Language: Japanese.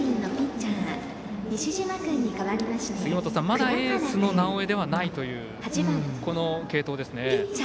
まだエースの直江ではないというこの継投ですね。